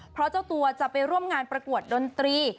เพราะเจ้าตัวจะไปร่วมงานประกวดดนตรี